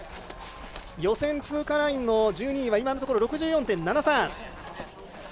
予選通過ラインの１２位は今のところ６４．７３。